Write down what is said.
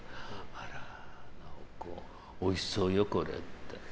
あらおいしそうよ、これって。